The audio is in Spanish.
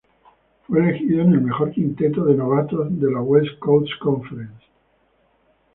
Fue elegido en el mejor quinteto de novatos de la West Coast Conference.